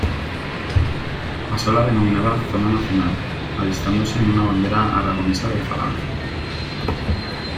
Pasó a la denominada "zona nacional", alistándose en una bandera aragonesa de Falange.